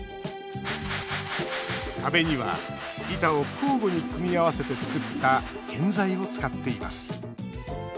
壁には板を交互に組み合わせてつくった建材を使っています。